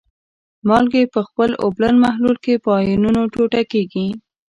مالګې په خپل اوبلن محلول کې په آیونونو ټوټه کیږي.